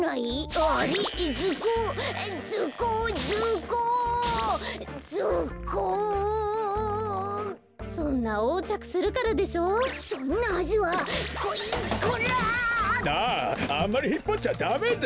あんまりひっぱっちゃダメだ！